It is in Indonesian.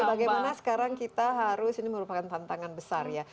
bagaimana sekarang kita harus ini merupakan tantangan besar ya